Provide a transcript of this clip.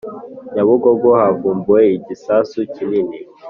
Nyabugogo havumbuwe igisasu kinini